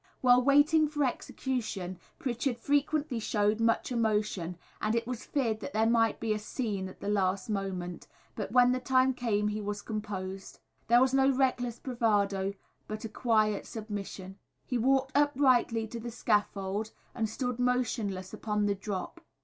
While waiting for execution Pritchard frequently showed much emotion and it was feared that there might be a "scene" at the last moment, but when the time came, he was composed. There was no reckless bravado, but a quiet submission. He walked uprightly to the scaffold and stood motionless upon the drop.